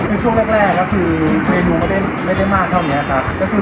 ในช่วงแรกก็คือเมนูไม่ได้มากเท่านี้เปิดเพิ่มเมนูเพิ่มมาเรื่อย